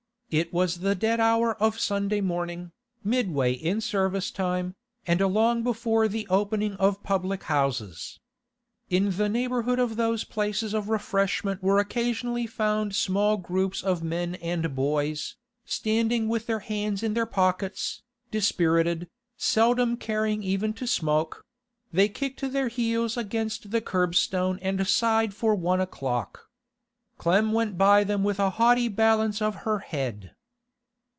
It was the dead hour of Sunday morning, midway in service time, and long before the opening of public houses. In the neighbourhood of those places of refreshment were occasionally found small groups of men and boys, standing with their hands in their pockets, dispirited, seldom caring even to smoke; they kicked their heels against the kerbstone and sighed for one o'clock. Clem went by them with a haughty balance of her head.